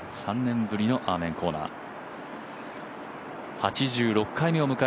３年ぶりのアーメンコーナー。